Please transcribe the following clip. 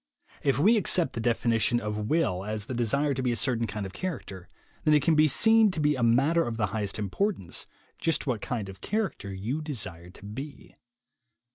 If we accept the definition of will as the desire THE WAY TO WILL POWER 23 to be a certain kind of character, then it can be seen to be a matter of the highest importance just what kind of character you desire to be.